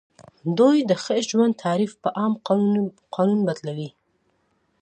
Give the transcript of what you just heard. دوی د ښه ژوند تعریف په عام قانون بدلوي.